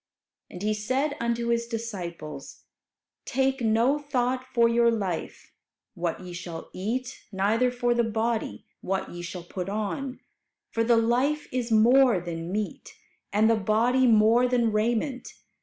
And He said unto His disciples, "Take no thought for your life, what ye shall eat; neither for the body, what ye shall put on; for the life is more than meat, and the body more than raiment.